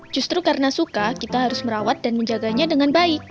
justru karena suka kita harus merawat dan menjaganya dengan baik